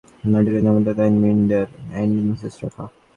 তাঁদের সম্পর্কের সঙ্গে মিলিয়ে নাটকের নামটিও তাই মিস্টার অ্যান্ড মিসেস রাখা।